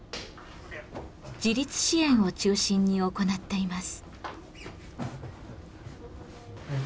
自立支援を中心に行っています。